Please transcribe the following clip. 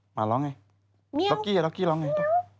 หมาร้องไงล็อกกี้ล็กกี้ร้องไง